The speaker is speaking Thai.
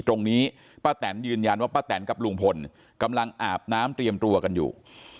ตรงนี้ป้าแตนยืนยันว่าป้าแตนกับลุงพลกำลังอาบน้ำเตรียมตัวกันอยู่